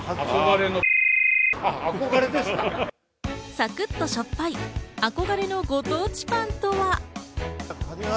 サクッとしょっぱい憧れのご当地パンとは？